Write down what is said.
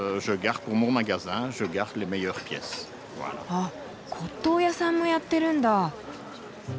あっ骨董屋さんもやってるんだ。